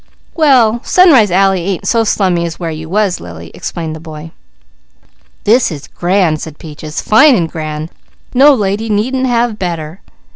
"Well, Sunrise Alley ain't so slummy as where you was, Lily," explained the boy. "This is grand," said Peaches "Fine an' grand! No lady needn't have better!"